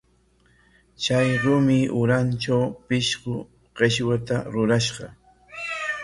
Chay rumi urantraw pishqu qishwanta rurashqa.